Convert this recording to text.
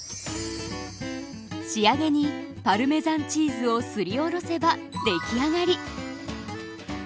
仕上げにパルメザンチーズをすりおろせばできあがり。